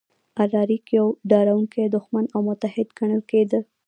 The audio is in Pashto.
الاریک یو ډاروونکی دښمن او متحد ګڼل کېده